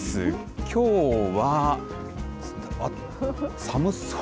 きょうは、寒そう。